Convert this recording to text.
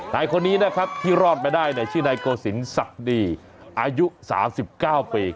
นายคนนี้นะครับที่รอดมาได้ชื่อนายโกศิลปักดีอายุ๓๙ปี